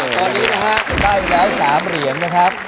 ตอนนี้นะครับได้ดาว๓เหรียงนะครับ